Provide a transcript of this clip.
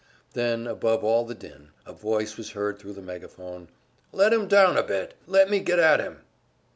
Then, above all the din, a voice was heard thru the megaphone, "Let him down a bit! Let me get at him!"